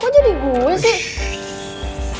kok jadi gue sih